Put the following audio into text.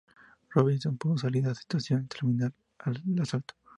Robinson pudo salir de esta situación y terminar el asalto.